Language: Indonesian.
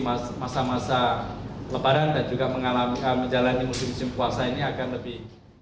masa masa lebaran dan juga menjalani musim musim puasa ini akan lebih